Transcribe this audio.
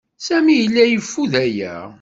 Sami yella yeffud aya.